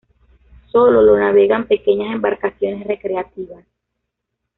Solo lo navegan pequeñas embarcaciones recreativas.